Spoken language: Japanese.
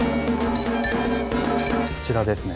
こちらですね。